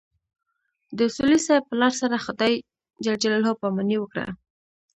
د اصولي صیب پلار سره خدای ج پاماني وکړه.